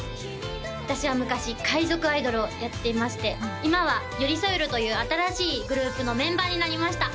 私は昔海賊アイドルをやっていまして今はＹＯＲＩＳＯＥＲＵという新しいグループのメンバーになりました